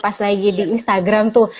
pas lagi di instagram tuh